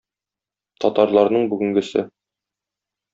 Татарларның бүгенгесе